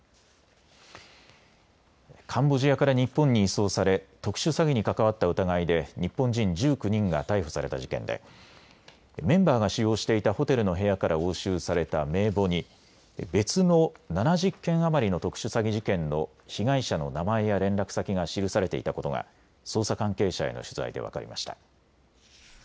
カンボジアから日本に移送され特殊詐欺に関わった疑いで日本人１９人が逮捕された事件でメンバーが使用していたホテルの部屋から押収された名簿に別の７０件余りの特殊詐欺事件の被害者の名前や連絡先が記されていたことが捜査関係者への取材で分かりました。